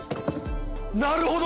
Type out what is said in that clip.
なるほど！